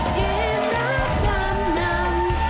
เกมรับท่านน้ำ